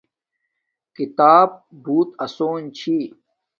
کھیتاپ بوت آسون چھی